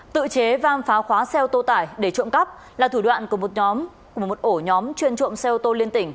tự chế vang phá khóa xe ô tô tải để trộm cắp là thủ đoạn của một ổ nhóm chuyên trộm xe ô tô liên tỉnh